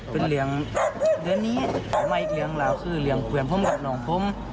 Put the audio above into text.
คือสบายอีกอย่างไหล่ก็คือไขวันพวกของนน่องพวก